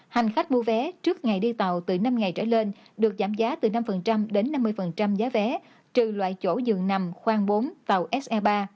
hành khách mua vé trước ngày đi tàu từ năm ngày trở lên được giảm giá từ năm đến năm mươi giá vé trừ loại chỗ dừng nằm khoang bốn tàu se ba